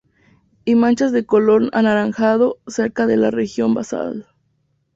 Y manchas de color anaranjado cerca de la región basal.